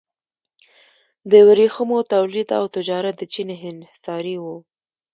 د ورېښمو تولید او تجارت د چین انحصاري و.